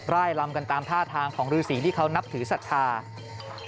ร่ายลำกันตามท่าทางของฤดิสิทธิ์ที่เค้านับถือสัตว์ภาคฤทธิศาสตร์